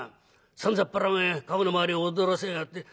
さんざっぱらおめえ駕籠の周りを踊らせやがって。